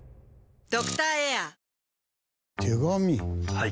はい。